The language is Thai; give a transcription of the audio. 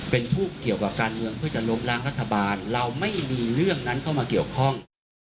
เป็นทูบเกี่ยวกับการเมืองเพื่อจะล้มล้างรัฐบาลเราไม่มีเรื่องนั้นเข้ามาเกี่ยวข้อง